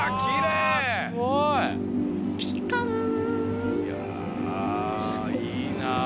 いやいいな。